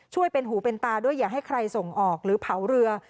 ช่วยเป็นหูเป็นตาด้วยอย่าให้ใครส่งออกหรือเผาเรือ